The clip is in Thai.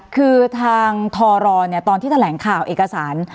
คือทางทรลวณ์เนี่ยตอนที่แถลงข่าวเอกสาร